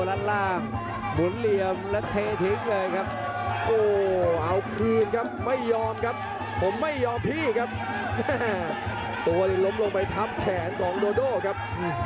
กลุ่มมาหลากันต่อครับ